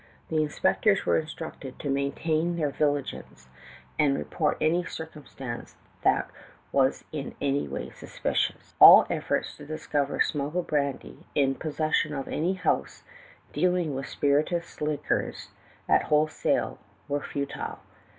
The inspectors were instructed to maintain their vigilance and report any circumstance that was in any way suspicious. "All efforts to discover smuggled brandy in the possession of any house dealing in spirituous liquors at wholesale were futile.